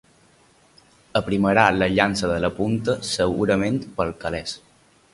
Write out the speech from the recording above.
Aprimarà la llança de la punta, segurament per calés.